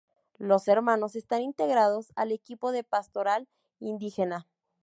Los Hermanos están integrados al Equipo de Pastoral Indígena.